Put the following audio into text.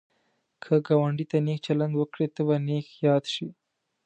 که ګاونډي ته نېک چلند وکړې، ته به نېک یاد شي